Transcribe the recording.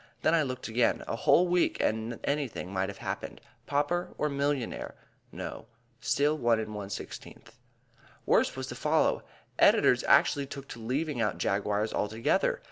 Then I looked again; a whole week and anything might have happened. Pauper or millionaire? No, still 1 1/16. Worse was to follow. Editors actually took to leaving out Jaguars altogether.